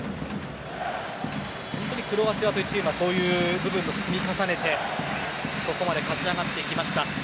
本当にクロアチアというチームはそういう部分を積み重ねてここまで勝ち上がってきました。